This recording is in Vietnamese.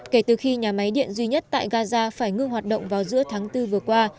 kể từ khi nhà máy điện duy nhất tại gaza phải ngưng hoạt động vào giữa tháng bốn vừa qua